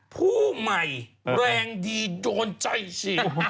ผู้ใหม่แรงดีโดนใจฉีด